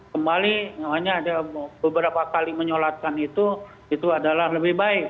kembali ada beberapa kali menyolatkan itu itu adalah lebih baik